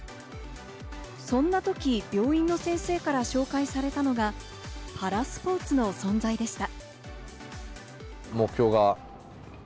そんなとき、病院の先生から紹介されたのがパラスポーツの存在でした。